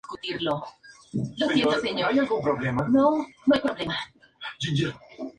Por otra parte, fue muy radical en sus concepciones religiosas acerca del islam.